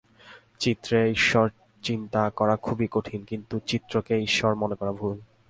চিত্রে ঈশ্বরচিন্তা করা খুবই ঠিক, কিন্তু চিত্রকেই ঈশ্বর মনে করা ভুল।